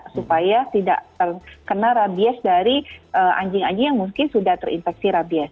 supaya tidak terkena rabies dari anjing anjing yang mungkin sudah terinfeksi rabies